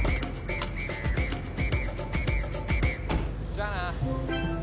じゃあな。